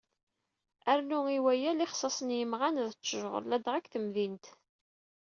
Rnu i waya, lexsas n yimɣan d ṭṭjur, ladɣa deg temdint.